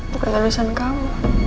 bukan urusan kamu